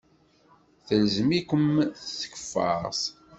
Telzem-ikem tkeffart.